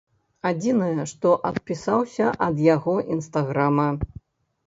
Адзінае, што адпісаўся ад яго інстаграма.